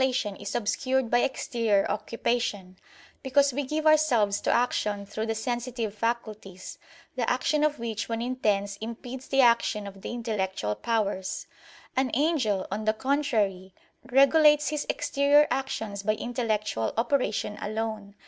3: In ourselves the purity of contemplation is obscured by exterior occupation; because we give ourselves to action through the sensitive faculties, the action of which when intense impedes the action of the intellectual powers. An angel, on the contrary, regulates his exterior actions by intellectual operation alone.